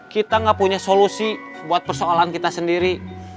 kita gak punya solusi buat persoalan kita sendiri